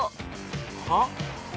はっ？